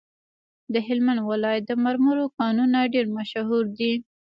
د هلمند ولایت د مرمرو کانونه ډیر مشهور دي.